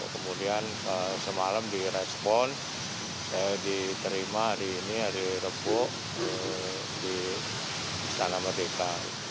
kemudian semalam direspon saya diterima hari ini hari rebuk di istana merdeka